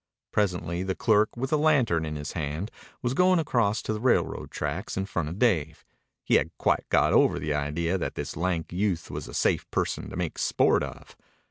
Presently the clerk, with a lantern in his hand, was going across to the railroad tracks in front of Dave. He had quite got over the idea that this lank youth was a safe person to make sport of.